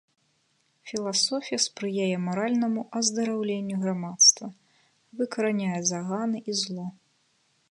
Філасофія спрыяе маральнаму аздараўленню грамадства, выкараняе заганы і зло.